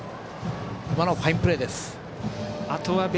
今のはファインプレーです。